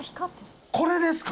これですか？